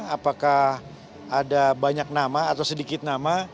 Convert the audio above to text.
apakah ada banyak nama atau sedikit nama